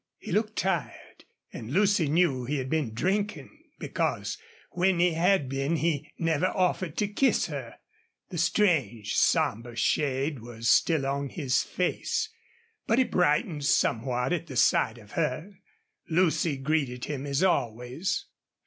He looked tired, and Lucy knew he had been drinking, because when he had been he never offered to kiss her. The strange, somber shade was still on his face, but it brightened somewhat at sight of her. Lucy greeted him as always.